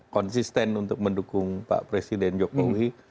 konsisten untuk mendukung pak presiden joko widodo